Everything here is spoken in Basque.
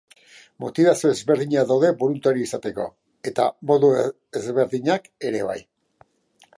Motibazio ezberdinak daude boluntario izateko eta modu ezberdinak ere bai.